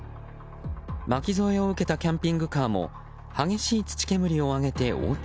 巻き添えを受けたキャンピングカーも激しい土煙を上げて横転。